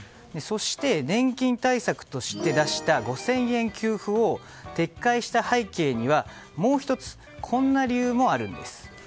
そして、年金対策として出した５０００円給付を撤回した背景にはもう１つこんな理由もあるんです。